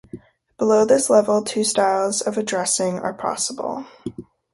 Below this level, two styles of addressing are possible.